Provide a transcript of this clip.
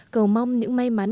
cầu mong những may mắn